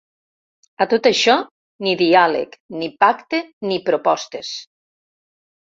A tot això, ni diàleg, ni pacte, ni propostes.